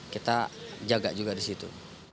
kita jaga juga di situ